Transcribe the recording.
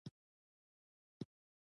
بیژن په خپله سزا رسیږي.